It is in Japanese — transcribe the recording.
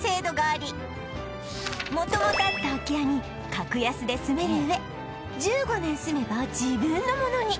元々あった空き家に格安で住める上１５年住めば自分のものに